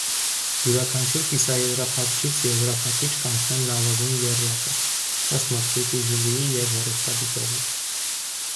Յուրաքանչյուր կիսաեզրափակիչից եզրափակիչ կանցնեն լավագույն եռյակը՝ ըստ մրցույթի ժյուրիի և հեռուստադիտողի։